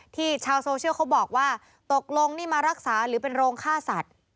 ชาวโซเชียลเขาบอกว่าตกลงนี่มารักษาหรือเป็นโรงฆ่าสัตว์